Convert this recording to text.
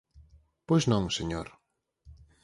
Pois non, señor.